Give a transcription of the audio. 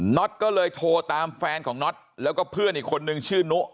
็อตก็เลยโทรตามแฟนของน็อตแล้วก็เพื่อนอีกคนนึงชื่อนุ